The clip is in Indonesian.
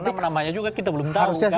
karena namanya juga kita belum tahu